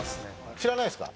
知らないですか？